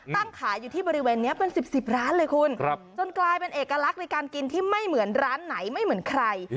ตั้งขายอยู่ที่บริเวณนี้เป็น๑๐ร้านเลยคุณจนกลายเป็นเอกลักษณ์ในการกินที่ไม่เหมือนร้านไหนไม่เหมือนใคร